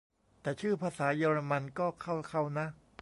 แต่ชื่อภาษาเยอรมันก็เข้าเค้านะ